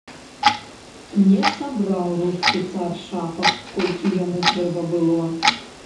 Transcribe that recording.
Не сабраў рускі цар шапак, колькі яму трэба было.